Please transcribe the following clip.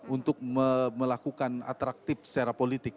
untuk melakukan atraktif secara politik